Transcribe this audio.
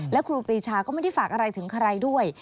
และครูปรีชาก็ไม่ได้ฝากอะไรถึงใครด้วย